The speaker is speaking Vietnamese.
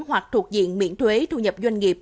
hoặc thuộc diện miễn thuế thu nhập doanh nghiệp